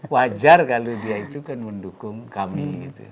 wajar kalau dia itu kan mendukung kami